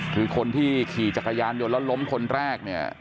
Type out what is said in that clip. คือคนที่ขี่จักรยานยนต์แล้วล้มคนแรกเนี่ย